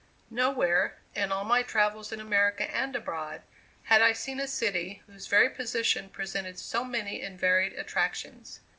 Nowhere, in all my travels in America and abroad, had I seen a city whose very position presented so many and varied attractions.